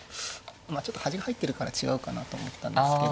まあちょっと端歩入ってるから違うかなと思ったんですけど。